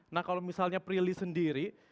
nah kalau misalnya prilly sendiri